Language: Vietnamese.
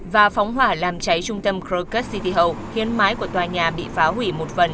và phóng hỏa làm cháy trung tâm crocod city hậu khiến mái của tòa nhà bị phá hủy một phần